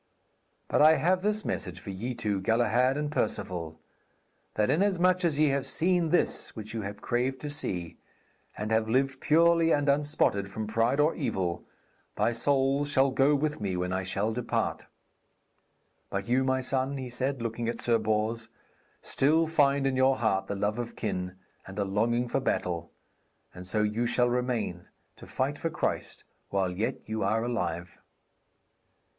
But I have this message for ye two, Galahad and Perceval; that inasmuch as ye have seen this which you craved to see, and have lived purely and unspotted from pride or evil, thy souls shall go with me when I shall depart. But you, my son,' he said, looking at Sir Bors, 'still find in your heart the love of kin, and a longing for battle, and so you shall remain, to fight for Christ while yet you are alive.'